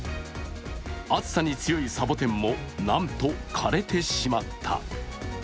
暑さに強いサボテンもなんと枯れてしまった。